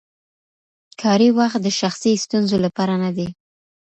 کاري وخت د شخصي ستونزو لپاره نه دی.